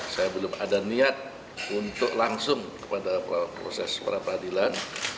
saya belum ada niat untuk langsung kepada proses peradilan